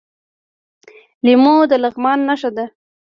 لیمو د لغمان نښه ده.